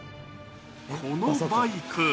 このバイク